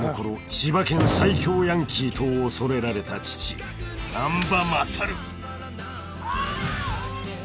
千葉県最強ヤンキーと恐れられた父難破勝］あっ！